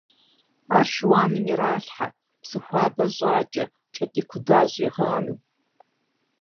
Ар шыуаным иралъхьэ, псы хуабэ щӀакӀэ, кӀэтӀий кудар щӀигъанэу.